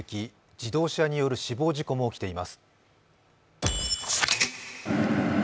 自動車による死亡事故も起きています。